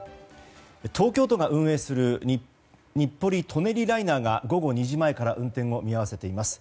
東京都が運営する日暮里・舎人ライナーが午後２時前から運転を見合わせています。